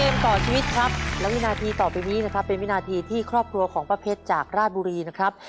ต่อชีวิตครับและวินาทีต่อไปนี้นะครับเป็นวินาทีที่ครอบครัวของป้าเพชรจากราชบุรีนะครับ